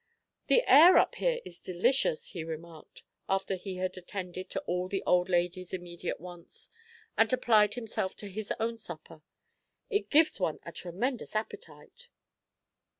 "The air up here is delicious!" he remarked, after he had attended to all the old lady's immediate wants, and applied himself to his own supper. "It gives one a tremendous appetite."